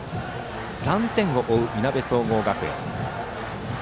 ３点を追う、いなべ総合学園。